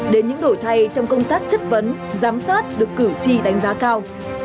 đến những đổi thay trong công tác chất vấn giám sát được cử tri đánh giá cao